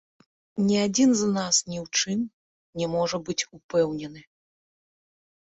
Ні адзін з нас ні ў чым не можа быць упэўнены.